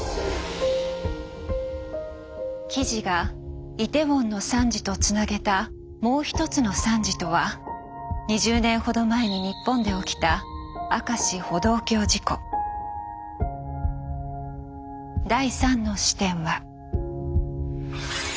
記事がイテウォンの惨事とつなげたもう一つの惨事とは２０年ほど前に日本で起きた第３の視点は。